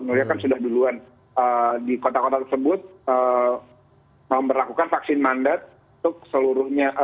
new york kan sudah duluan di kota kota tersebut memperlakukan vaksin mandate untuk seluruhnya